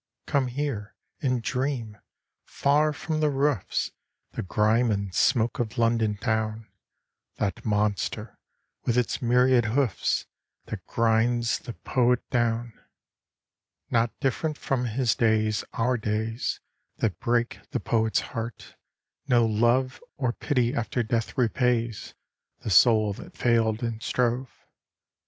"Come here and dream! far from the roofs, The grime and smoke of London Town, That monster, with its myriad hoofs, That grinds the poet down!" Not different from his days our days, That break the poet's heart. No love Or pity after death repays The soul that failed and strove.